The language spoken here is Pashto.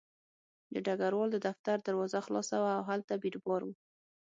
د ډګروال د دفتر دروازه خلاصه وه او هلته بیروبار و